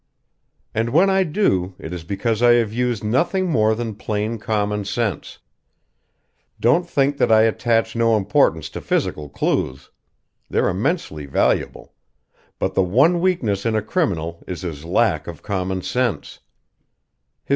"And when I do, it is because I have used nothing more than plain common sense. Don't think that I attach no importance to physical clues. They're immensely valuable; but the one weakness in a criminal is his lack of common sense.